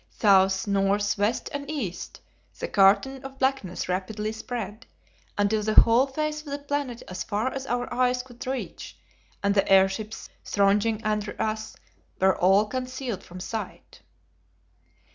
South, north, west and east, the curtain of blackness rapidly spread, until the whole face of the planet as far as our eyes could reach, and the airships thronging under us, were all concealed from sight!